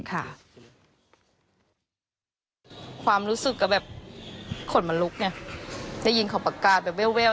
ความรู้สึกก็แบบขนลุกเนี่ยได้ยินเขาประกาศแบบเว้ว